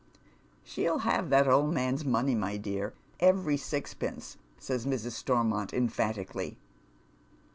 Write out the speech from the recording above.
" She'll have that old man's money, my dear, every sixpence," eays Mrs. Stormont, emphatically.